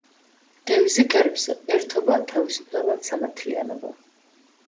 დევიზი გერბზე: „ერთობა, თავისუფლება, სამართლიანობა“.